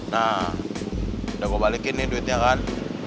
nah udah mau balikin nih duitnya kan